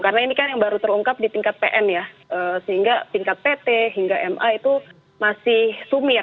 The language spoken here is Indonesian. karena ini kan yang baru terungkap di tingkat pm ya sehingga tingkat pt hingga ma itu masih sumir